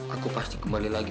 aku pasti kembali lagi